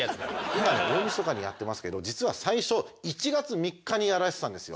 今はね大みそかにやってますけど実は最初１月３日にやられてたんですよ。